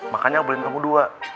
makanya aku beliin kamu dua